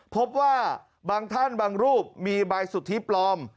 พบว่าบางท่านบางรูปมีใบสุทธิปลอม